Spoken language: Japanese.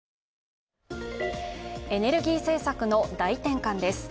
エネルギー政策の大転換です。